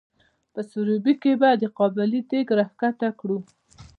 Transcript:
په سروبي کې به د قابلي دیګ را ښکته کړو؟